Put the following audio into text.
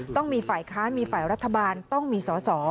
ต้องมีฝ่ายค้านมีฝ่ายรัฐบาลต้องมีสอสอ